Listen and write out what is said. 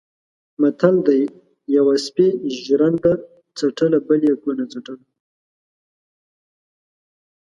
متل دی: یوه سپي ژرنده څټله بل یې کونه څټله.